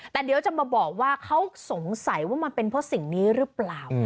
แต่เดี๋ยวจะมาบอกว่าเขาสงสัยว่ามันเป็นเพราะสิ่งนี้หรือเปล่า